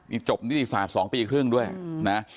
นี่จบนิติสาธสองปีครึ่งด้วยนะฮะ